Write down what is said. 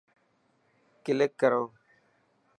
ڪلڪ ڪرو.